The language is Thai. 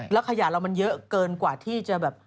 แล้วขยะเรามันเยอะเกินกว่าที่จะแบบ